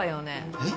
えっ？